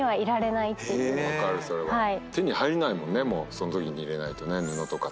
そんときに入れないとね布とか。